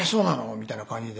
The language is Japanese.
みたいな感じで。